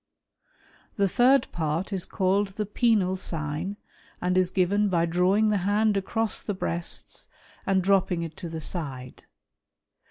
The third part is called the penal sign, " and is given by drawing the hand across the breasts and " dropping it to the side.